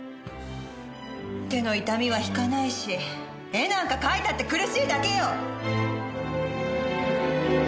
手の痛みは引かないし絵なんか描いたって苦しいだけよ！